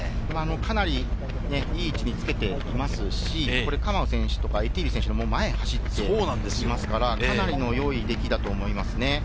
かなりいい位置につけていますし、カマウ選手とかエティーリ選手の前を走っていますから、かなりの良い出来だと思いますね。